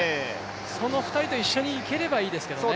その２人と一緒に行ければいいですけどね。